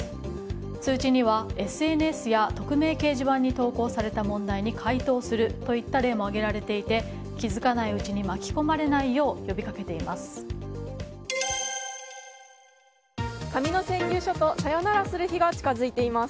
通知にはＳＮＳや匿名掲示板に投稿された問題に解答するといった例も挙げられていて気づかないうちに巻き込まれないよう呼びかけています。